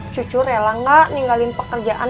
cucu rela gak ninggalin pekerjaan